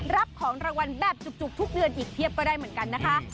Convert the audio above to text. รับของรางวัลแบบจุกทุกเดือนอีกเพียบก็ได้เหมือนกันนะคะ